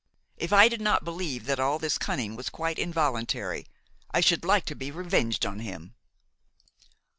If I did not believe that all this cunning was quite involuntary, I would like to be revenged on him."